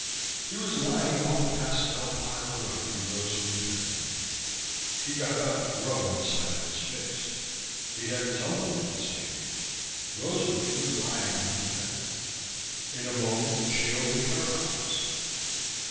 He was lying on the pastel pile rug in Rosalie's bedroom. He got up, rubbing the side of his face. He had tumbled, it seemed. Rosalie was lying on the bed. In a moment she opened her eyes.